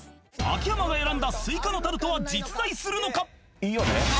秋山が選んだスイカのタルトは実在するのか？